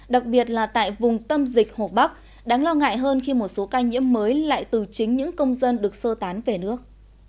đặc biệt là tại vùng tâm dịch hồ bắc đáng lo ngại hơn khi một số ca nhiễm mới lại từ chính những công dân được sơ tán về nước